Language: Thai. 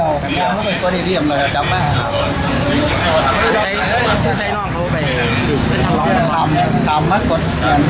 ลองคำคำมากด